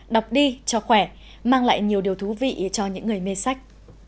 đọc đi cho khỏe mang lại nhiều điều thú vị cho những người mê sách